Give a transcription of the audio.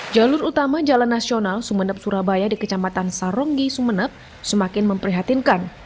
jalur utama jalan nasional sumeneb surabaya di kecamatan saronggi sumeneb semakin memprihatinkan